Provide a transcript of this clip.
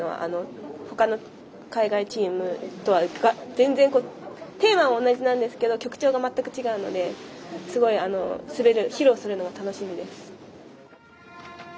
ほかの海外チームとは全然テーマは同じなんですけど曲調が全く違うのですごい、披露するのが楽しみです。